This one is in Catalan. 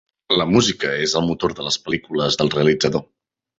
La música és el motor de les pel·lícules del realitzador.